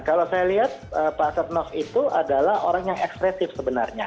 kalau saya lihat pak setnov itu adalah orang yang ekspresif sebenarnya